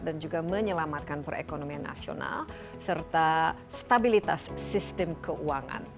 dan juga menyelamatkan perekonomian nasional serta stabilitas sistem keuangan